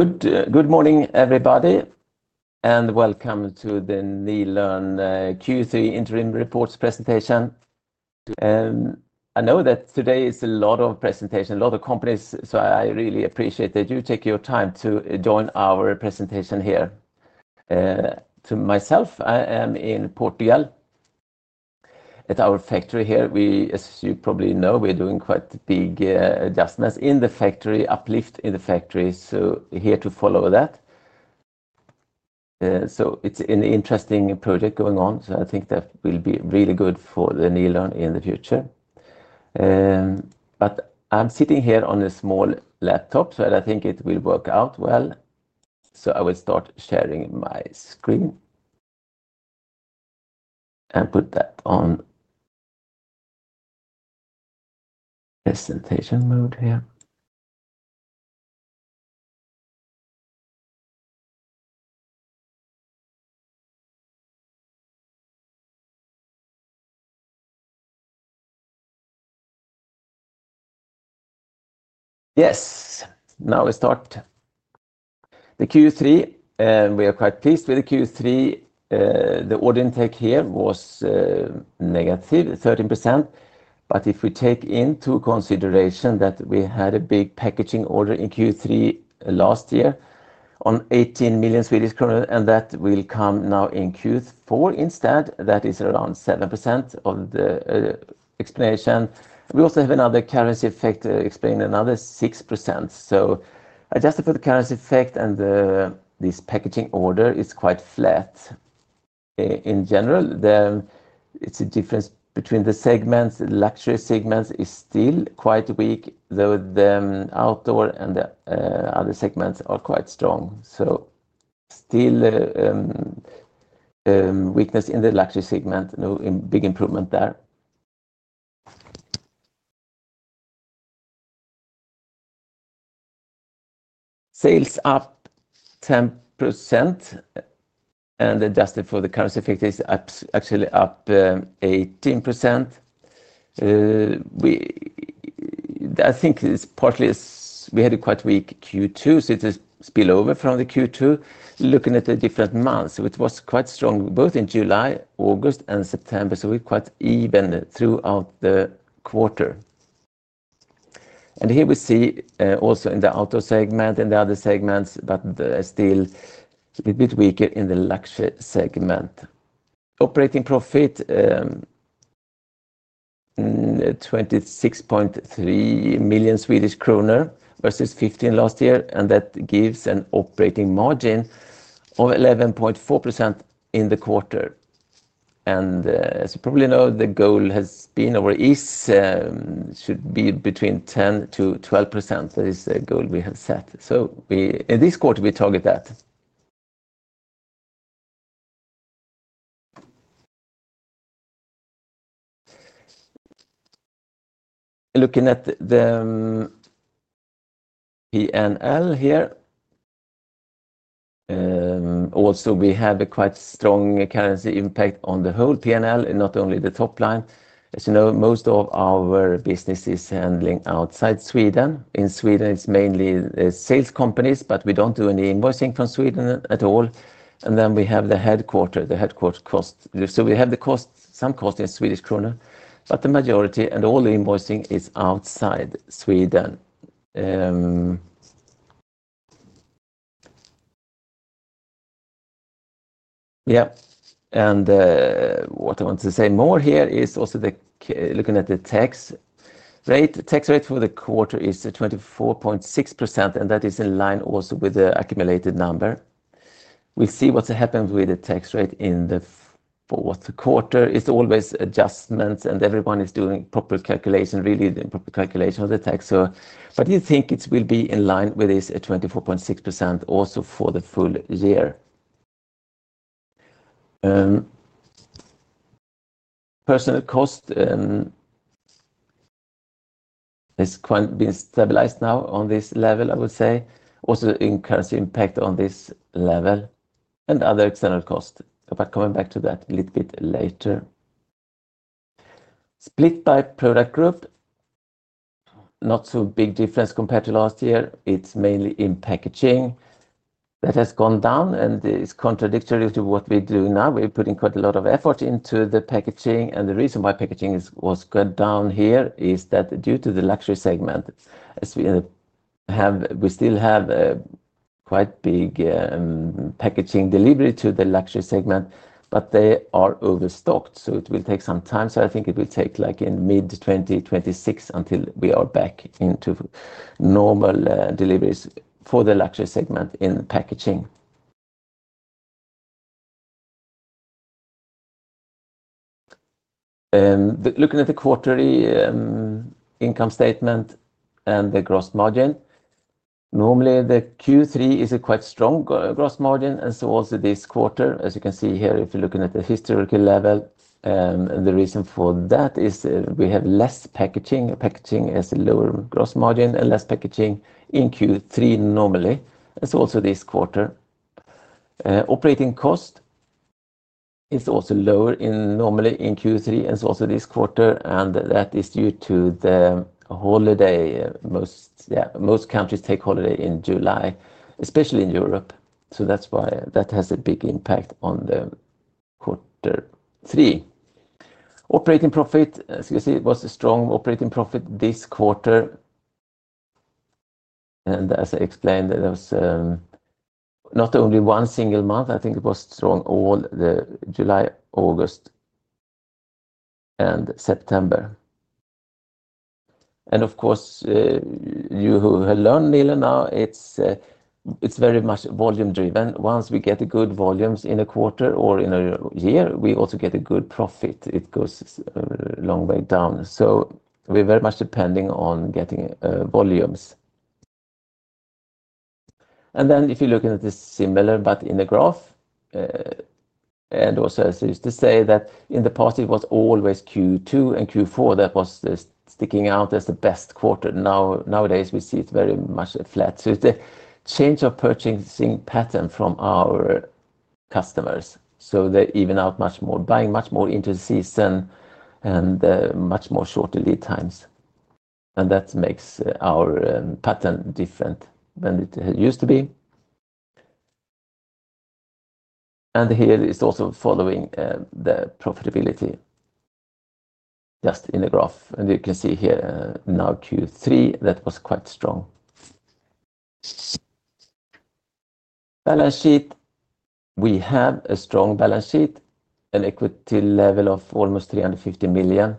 Good morning, everybody, and welcome to the Nilörngruppen AB Q3 interim reports presentation. I know that today is a lot of presentations, a lot of companies, so I really appreciate that you take your time to join our presentation here. To myself, I am in Portugal. At our factory here, we, as you probably know, we're doing quite big adjustments in the factory, uplift in the factory, so here to follow that. It's an interesting project going on, so I think that will be really good for Nilörngruppen AB in the future. I'm sitting here on a small laptop, so I think it will work out well. I will start sharing my screen and put that on presentation mode here. Yes, now we start the Q3, and we are quite pleased with the Q3. The order intake here was -13%. If we take into consideration that we had a big packaging order in Q3 last year on 18 million Swedish kronor, and that will come now in Q4 instead, that is around 7% of the explanation. We also have another carrying effect explaining another 6%. If I adjust for the carrying effect and this packaging order, it's quite flat. In general, it's a difference between the segments. The luxury segment is still quite weak, though the outdoor and the other segments are quite strong. Still weakness in the luxury segment, no big improvement there. Sales up 10%, and adjusted for the carrying effect is actually up 18%. I think it's partly we had a quite weak Q2, so it's a spillover from the Q2. Looking at the different months, it was quite strong both in July, August, and September, so we're quite even throughout the quarter. Here we see also in the outdoor segment and the other segments, but still a little bit weaker in the luxury segment. Operating profit 26.3 million Swedish kronor versus 15 million last year, and that gives an operating margin of 11.4% in the quarter. As you probably know, the goal has been our EAS should be between 10%-12%. That is the goal we have set. In this quarter, we target that. Looking at the P&L here, also we have a quite strong currency impact on the whole P&L, not only the top line. As you know, most of our business is handling outside Sweden. In Sweden, it's mainly sales companies, but we don't do any invoicing from Sweden at all. We have the headquarter, the headquarter cost. We have some cost in Swedish krona, but the majority and all the invoicing is outside Sweden. What I want to say more here is also looking at the tax rate. The tax rate for the quarter is 24.6%, and that is in line also with the accumulated number. We'll see what's happened with the tax rate in the fourth quarter. It's always adjustments, and everyone is doing proper calculation, really the proper calculation of the tax. You think it will be in line with this 24.6% also for the full year. Personal cost has quite been stabilized now on this level, I would say. Also in currency impact on this level and other external costs. Coming back to that a little bit later. Split by product group, not so big difference compared to last year. It's mainly in packaging that has gone down, and it's contradictory to what we're doing now. We're putting quite a lot of effort into the packaging, and the reason why packaging was going down here is that due to the luxury segment. We still have a quite big packaging delivery to the luxury segment, but they are overstocked, so it will take some time. I think it will take like in mid-2026 until we are back into normal deliveries for the luxury segment in packaging. Looking at the quarterly income statement and the gross margin, normally the Q3 is a quite strong gross margin, and so also this quarter, as you can see here, if you're looking at the historical level. The reason for that is we have less packaging. Packaging has a lower gross margin and less packaging in Q3 normally, and so also this quarter. Operating cost is also lower normally in Q3, and so also this quarter, and that is due to the holiday. Most countries take holiday in July, especially in Europe. That's why that has a big impact on the quarter three. Operating profit, as you can see, it was a strong operating profit this quarter. As I explained, there was not only one single month. I think it was strong all the July, August, and September. Of course, you who have learned Nilörngruppen AB now, it's very much volume-driven. Once we get good volumes in a quarter or in a year, we also get a good profit. It goes a long way down. We're very much depending on getting volumes. If you're looking at this similar, but in a graph, and also as I used to say, that in the past it was always Q2 and Q4 that was sticking out as the best quarter. Nowadays we see it very much flat. It's a change of purchasing pattern from our customers. They even out much more, buying much more into the season and much more shorter lead times. That makes our pattern different than it used to be. Here it's also following the profitability just in a graph. You can see here now Q3 that was quite strong. Balance sheet, we have a strong balance sheet, an equity level of almost 350 million.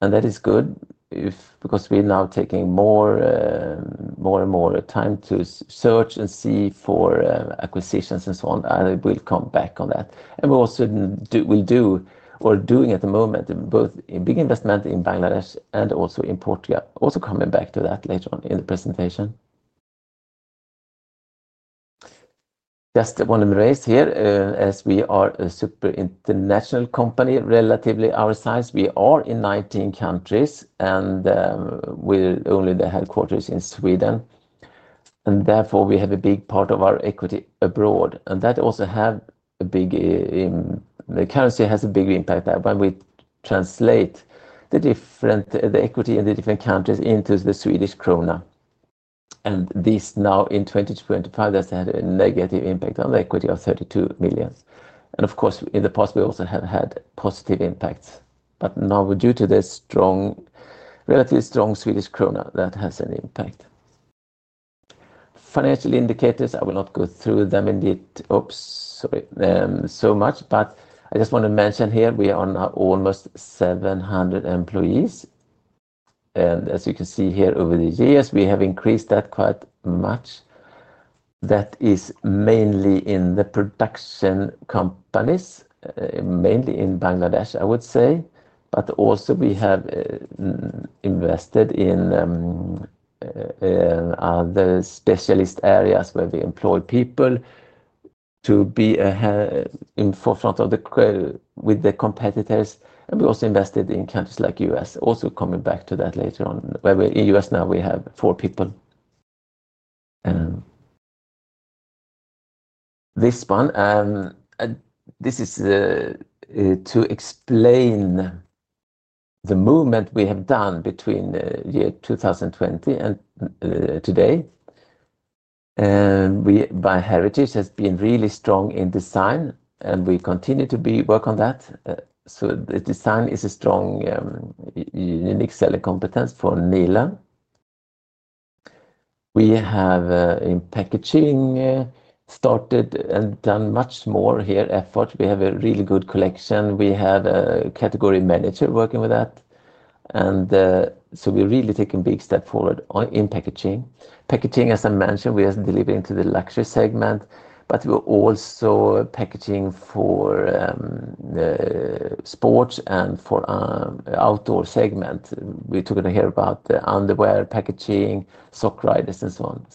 That is good because we're now taking more and more time to search and see for acquisitions and so on. I will come back on that. We also will do, or doing at the moment, both a big investment in Bangladesh and also in Portugal. Also coming back to that later on in the presentation. I just want to raise here, as we are a super international company, relatively our size, we are in 19 countries and with only the headquarters in Sweden. Therefore we have a big part of our equity abroad. That also has a big, the currency has a bigger impact when we translate the equity in the different countries into the Swedish krona. This now in 2023, that's had a negative impact on the equity of 32 million. Of course, in the past we also have had positive impacts. Now due to the strong, relatively strong Swedish krona, that has an impact. Financial indicators, I will not go through them indeed. I just want to mention here, we are on almost 700 employees. As you can see here over the years, we have increased that quite much. That is mainly in the production companies, mainly in Bangladesh, I would say. We also have invested in other specialist areas where we employ people to be in forefront of the with the competitors. We also invested in countries like the U.S. Also coming back to that later on. Where we're in the U.S. now, we have four people. This one, this is to explain the movement we have done between the year 2020 and today. By heritage has been really strong in design, and we continue to work on that. The design is a strong unique selling competence for Nilörngruppen AB. We have in packaging started and done much more here effort. We have a really good collection. We have a category manager working with that. We're really taking a big step forward in packaging. Packaging, as I mentioned, we are delivering to the luxury segment. We're also packaging for sports and for our outdoor segment. We're talking here about the underwear packaging, sock riders, and so on.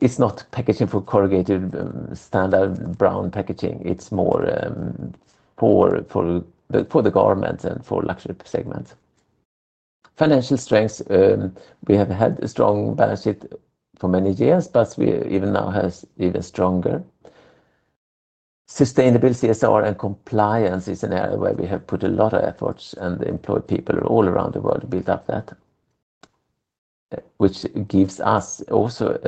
It's not packaging for corrugated standard brown packaging. It's more for the garments and for luxury segments. Financial strengths, we have had a strong balance sheet for many years, but we even now have even stronger. Sustainability, CSR, and compliance is an area where we have put a lot of efforts, and the employed people are all around the world to build up that. Which gives us also,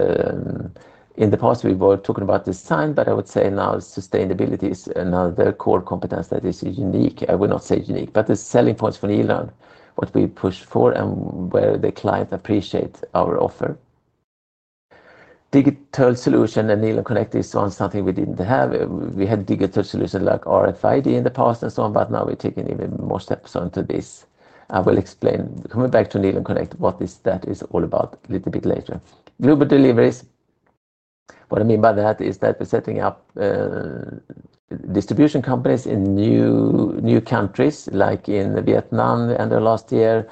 in the past, we were talking about design, but I would say now sustainability is another core competence that is unique. I will not say unique, but the selling points for Nilörngruppen AB, what we push for and where the client appreciates our offer. Digital solution and Nilörng Connect is one something we didn't have. We had digital solutions like RFID in the past and so on, but now we're taking even more steps onto this. I will explain, coming back to Nilörng Connect, what that is all about a little bit later. Global deliveries, what I mean by that is that we're setting up distribution companies in new countries, like in Vietnam at the end of last year,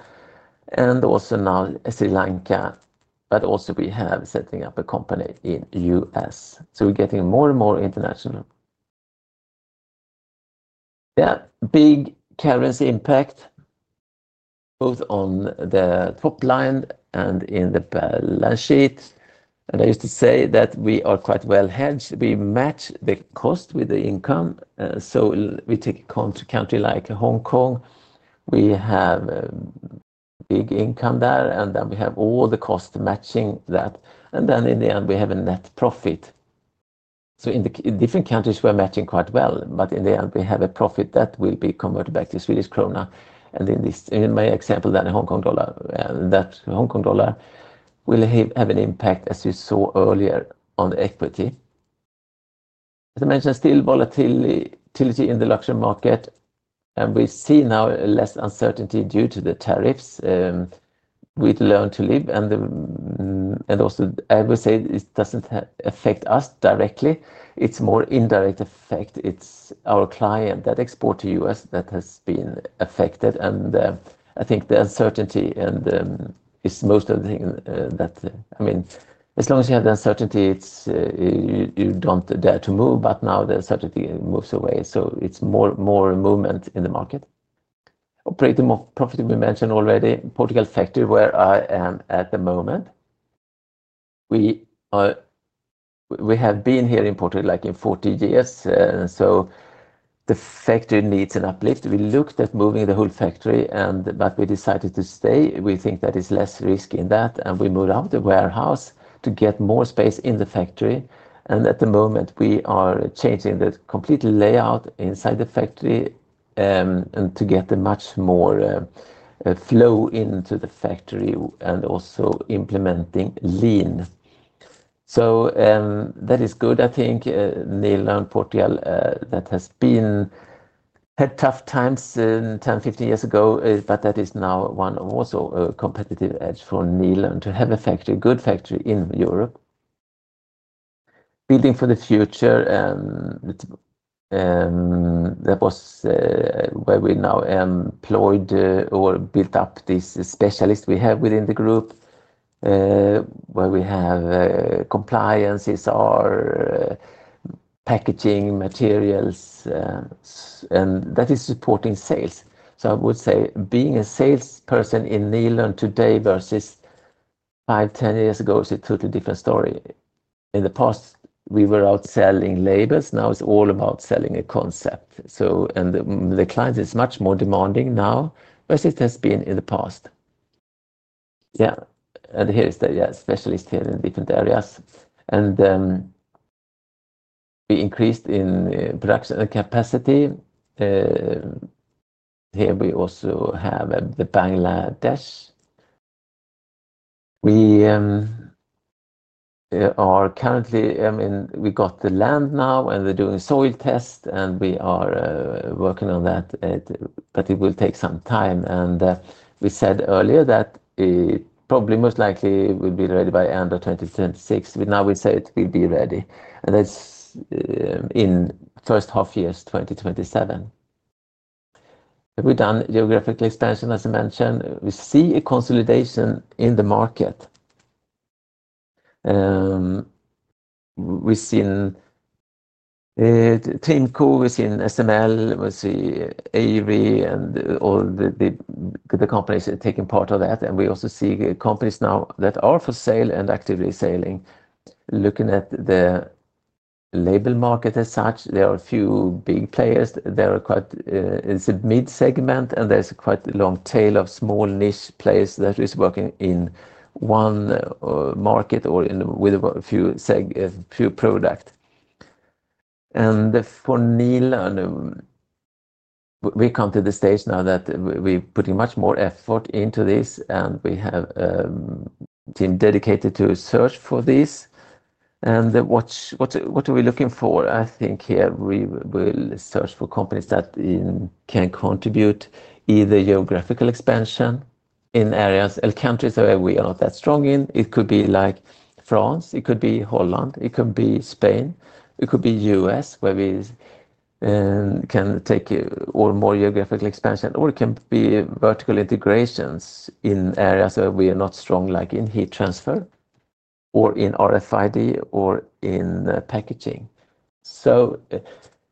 and also now Sri Lanka. We have also set up a company in the U.S. We're getting more and more international. Yeah, big currency impact, both on the top line and in the balance sheet. I used to say that we are quite well hedged. We match the cost with the income. We take a country like Hong Kong. We have a big income there, and then we have all the costs matching that. In the end, we have a net profit. In different countries, we're matching quite well, but in the end, we have a profit that will be converted back to Swedish krona. In my example, that in Hong Kong dollar, that Hong Kong dollar will have an impact, as you saw earlier, on equity. As I mentioned, still volatility in the luxury market. We see now less uncertainty due to the tariffs. We've learned to live, and I would say it doesn't affect us directly. It's more indirect effect. It's our client that exports to the U.S. that has been affected. I think the uncertainty is most of the thing that, I mean, as long as you have the uncertainty, you don't dare to move, but now the uncertainty moves away. It's more movement in the market. Operating profit, we mentioned already. Portugal factory where I am at the moment. We have been here in Portugal like in 40 years. The factory needs an uplift. We looked at moving the whole factory, but we decided to stay. We think that it's less risk in that, and we moved out of the warehouse to get more space in the factory. At the moment, we are changing the complete layout inside the factory to get a much more flow into the factory and also implementing lean. That is good, I think. Nilörngruppen AB, Portugal, that has had tough times 10 yeas-15 years ago, but that is now also a competitive edge for Nilörngruppen AB to have a good factory in Europe. Building for the future, that was where we now employed or built up this specialist we have within the group, where we have compliance, CSR, packaging, materials, and that is supporting sales. I would say being a salesperson in Nilörngruppen AB today versus 5 years-10 years ago is a totally different story. In the past, we were out selling labels. Now it's all about selling a concept. The client is much more demanding now versus it has been in the past. Here is the specialist here in different areas. We increased in production and capacity. Here we also have Bangladesh. We are currently, I mean, we got the land now and they're doing soil tests, and we are working on that, but it will take some time. We said earlier that it probably most likely will be ready by the end of 2026. Now we say it will be ready in the first half year, 2027. We've done geographical expansion, as I mentioned. We see a consolidation in the market. We've seen Trimco, we've seen SML, we see AV, and all the companies are taking part of that. We also see companies now that are for sale and actively selling. Looking at the label market as such, there are a few big players. It's a mid-segment, and there's quite a long tail of small niche players that are working in one market or with a few products. For Nilörngruppen AB, we've come to the stage now that we're putting much more effort into this, and we have a team dedicated to search for these. What are we looking for? I think here we will search for companies that can contribute either geographical expansion in areas and countries where we are not that strong in. It could be like France, it could be Netherlands, it could be Spain, it could be the United States (US), where we can take more geographical expansion, or it can be vertical integrations in areas where we are not strong, like in heat transfer, or in RFID, or in packaging.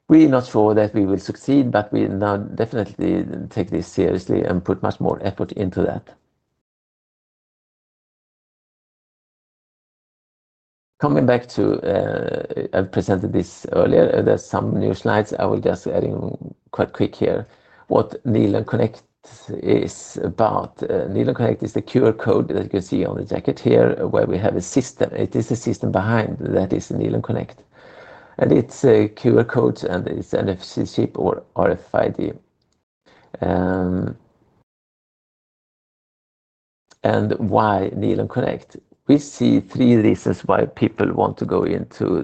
We're not sure that we will succeed, but we now definitely take this seriously and put much more effort into that. Coming back to, I've presented this earlier. There's some new slides. I will just add quite quick here what Nilörng Connect is about. Nilörng Connect is the QR code that you can see on the jacket here, where we have a system. It is a system behind that is Nilörng Connect. It's a QR code, and it's NFC chip or RFID. Why Nilörng Connect? We see three reasons why people want to go into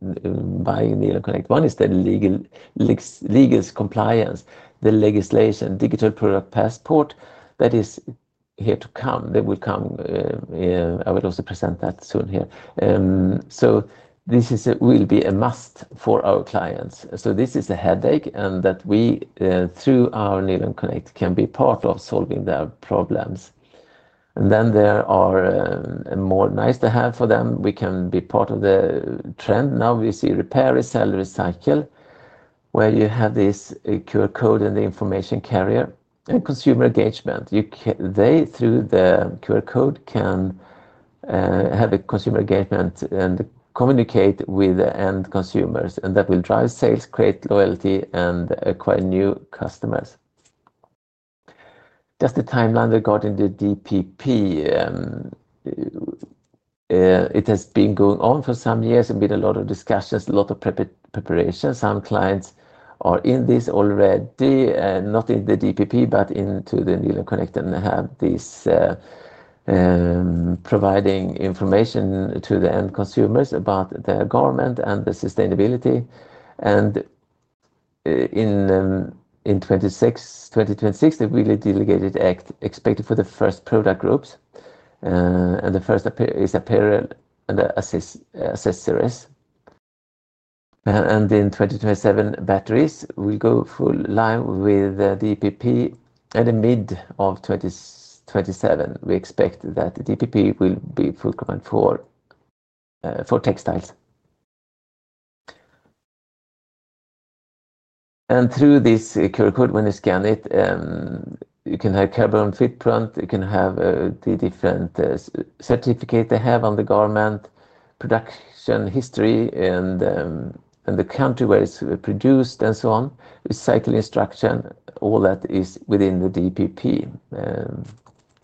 buying Nilörng Connect. One is the legal compliance, the legislation, digital product passport. That is here to come. That will come. I will also present that soon here. This will be a must for our clients. This is a headache, and that we, through our Nilörng Connect, can be part of solving their problems. There are more nice-to-have for them. We can be part of the trend. Now we see repair, resell, recycle, where you have this QR code and the information carrier, and consumer engagement. They, through the QR code, can have a consumer engagement and communicate with end consumers. That will drive sales, create loyalty, and acquire new customers. Just the timeline regarding the DPP. It has been going on for some years. There have been a lot of discussions, a lot of preparation. Some clients are in this already, not in the DPP, but into the Nilörng Connect and have this providing information to the end consumers about their garment and the sustainability. In 2026, the really delegated act expected for the first product groups and the first is apparel and accessories. In 2027, batteries will go full line with the DPP. In the mid of 2027, we expect that the DPP will be fulcrum for textiles. Through this QR code, when you scan it, you can have a carbon footprint. You can have the different certificates they have on the garment, production history, and the country where it's produced, and so on. Recycling instruction, all that is within the DPP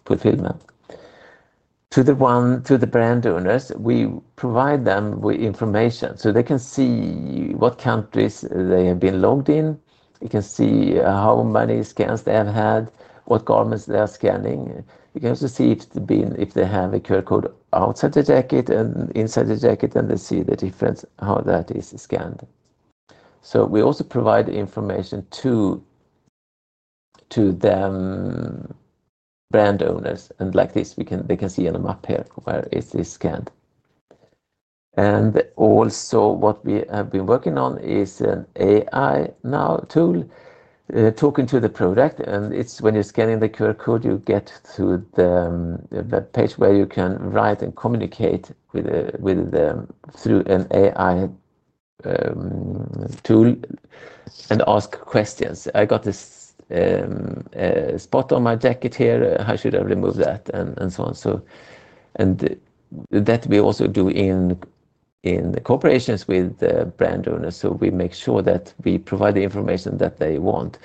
fulfillment. To the brand owners, we provide them with information. They can see what countries they have been logged in. You can see how many scans they have had, what garments they are scanning. You can also see if they have a QR code outside the jacket and inside the jacket, and they see the difference how that is scanned. We also provide information to the brand owners. Like this, they can see on a map here where it is scanned. Also what we have been working on is an AI now tool, talking to the product. It's when you're scanning the QR code, you get to the web page where you can write and communicate with the through an AI tool and ask questions. I got this spot on my jacket here. How should I remove that? That we also do in the cooperations with the brand owners. We make sure that we provide the information that they want.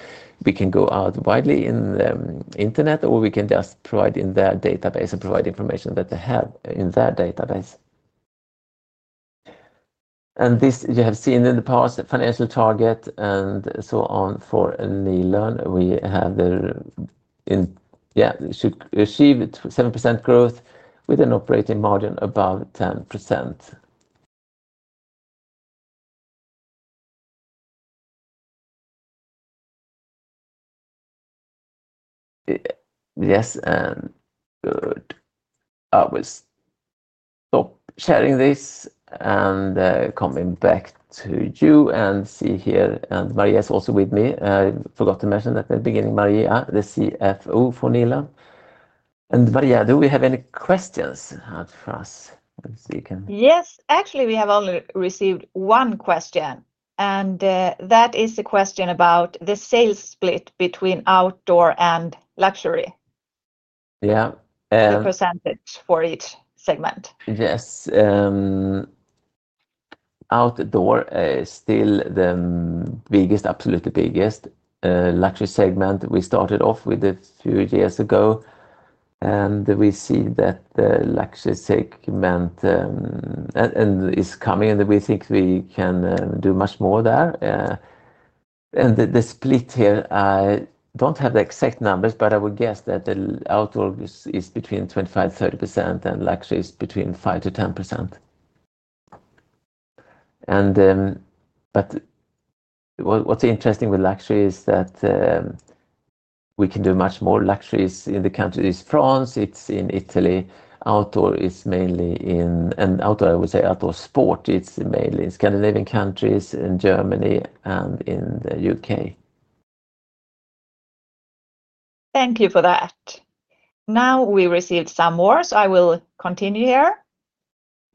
We can go out widely in the internet, or we can just provide in their database and provide information that they have in their database. You have seen in the past the financial target and so on for Nilörngruppen AB. We have the, yeah, should achieve 7% growth with an operating margin above 10%. Yes, good. I will stop sharing this and coming back to you and see here. Maria is also with me. I forgot to mention that at the beginning, Maria, the CFO for Nilörngruppen AB. Maria, do we have any questions for us? Yes, actually, we have only received one question. That is a question about the sales split between outdoor and luxury, and the percentage for each segment. Yes. Outdoor is still the biggest, absolutely biggest luxury segment. We started off with a few years ago. We see that the luxury segment is coming, and we think we can do much more there. The split here, I don't have the exact numbers, but I would guess that outdoor is between 25%-30%, and luxury is between 5% to 10%. What's interesting with luxury is that we can do much more. Luxury is in the countries France, it's in Italy. Outdoor is mainly in, and outdoor, I would say outdoor sport, it's mainly in Scandinavian countries, in Germany, and in the UK. Thank you for that. Now we received some more, so I will continue here.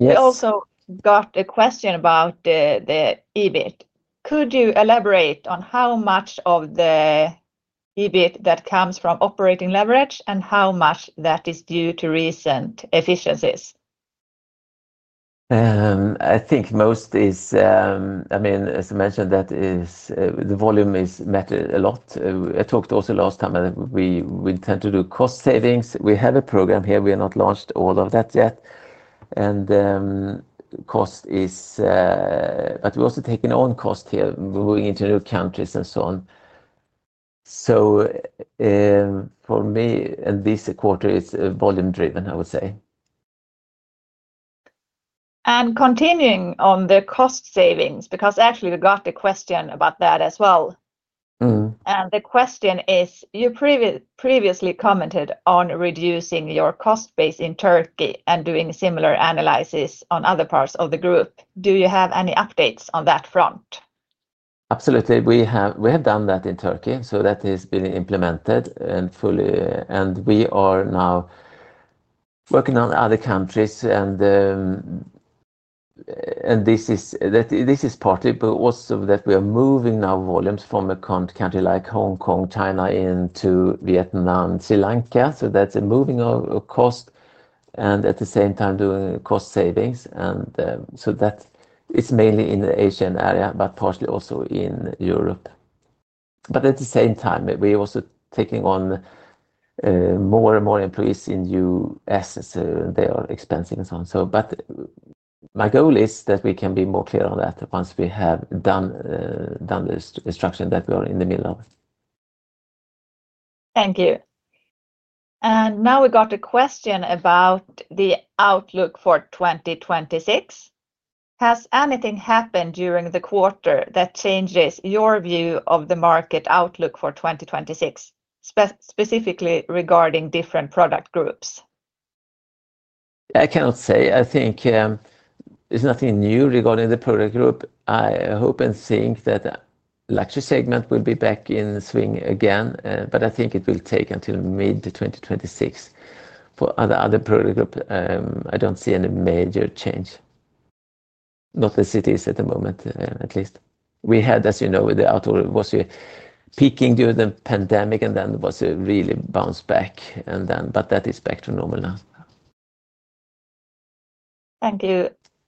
We also got a question about the EBIT. Could you elaborate on how much of the EBIT that comes from operating leverage and how much that is due to recent efficiencies? I think most is, I mean, as I mentioned, that is the volume is met a lot. I talked also last time that we intend to do cost savings. We have a program here. We have not launched all of that yet. Cost is, but we're also taking on cost here, moving into new countries and so on. For me, this quarter is volume-driven, I would say. Continuing on the cost savings, because actually we got a question about that as well. The question is, you previously commented on reducing your cost base in Turkey and doing similar analysis on other parts of the group. Do you have any updates on that front? Absolutely. We have done that in Turkey. That has been implemented fully, and we are now working on other countries. This is partly, but also that we are moving now volumes from a country like Hong Kong, China, into Vietnam, Sri Lanka. That's a moving of cost. At the same time, doing cost savings. That is mainly in the Asian area, but partially also in Europe. At the same time, we're also taking on more and more employees in the U.S., so they are expensing and so on. My goal is that we can be more clear on that once we have done the structure that we are in the middle of. Thank you. We got a question about the outlook for 2026. Has anything happened during the quarter that changes your view of the market outlook for 2026, specifically regarding different product groups? I cannot say. I think there's nothing new regarding the product group. I hope and think that the luxury segment will be back in swing again. I think it will take until mid-2026 for other product groups. I don't see any major change, not as it is at the moment at least. We had, as you know, with the outdoor, it was peaking during the pandemic, and then it really bounced back. That is back to normal now.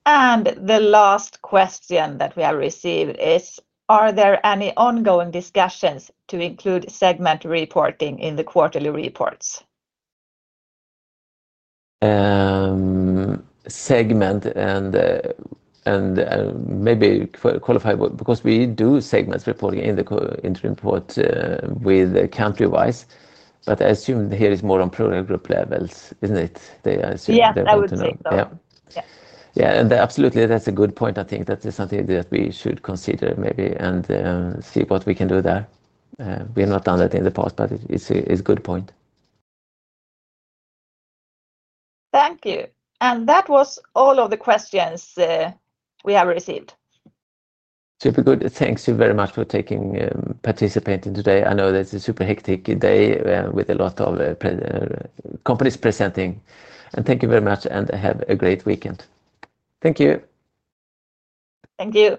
Thank you. The last question that we have received is, are there any ongoing discussions to include segment reporting in the quarterly reports? Segment, and maybe qualify because we do segment reporting in the interim report with countrywide. I assume here is more on product group levels, isn't it? Yeah, I would think so. Yeah, that's a good point. I think that is something that we should consider maybe and see what we can do there. We have not done that in the past, but it's a good point. Thank you. That was all of the questions we have received. Super good. Thank you very much for participating today. I know that it's a super hectic day with a lot of companies presenting. Thank you very much, and have a great weekend. Thank you. Thank you.